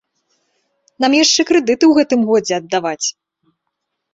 Нам яшчэ крэдыты ў гэтым годзе аддаваць.